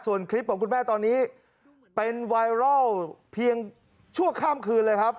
ส่วนคลิปของคุณแม่ตอนนี้เป็นไวรัลเพียงชั่วข้ามคืนเลยครับ